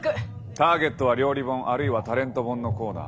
ターゲットは料理本あるいはタレント本のコーナー。